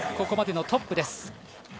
ここまでのトップです。